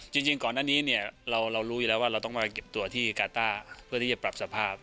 จริงก่อนหน้านี้เนี่ยเรารู้อยู่แล้วว่าเราต้องมาเก็บตัวที่กาต้าเพื่อที่จะปรับสภาพ